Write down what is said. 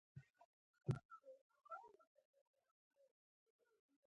د رحمت څپه د بښنې له دعا سره راځي.